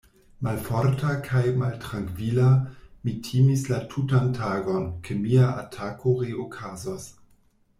Malforta kaj maltrankvila, mi timis la tutan tagon, ke mia atako reokazos.